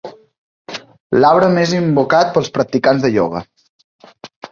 L'arbre més invocat pels practicants del ioga.